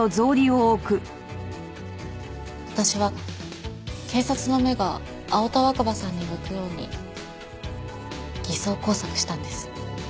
私は警察の目が青田若葉さんに向くように偽装工作したんです。